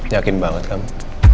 yakin banget kamu